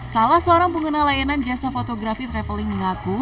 salah seorang pengenal layanan jasa fotografi traveling mengaku